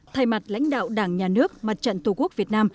thay mặt lãnh đạo đảng nhà nước mặt trận tổ quốc việt nam